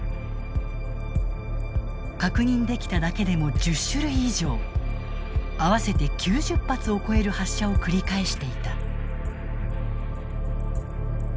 確認できただけでも１０種類以上合わせて９０発を超える発射を繰り返していた。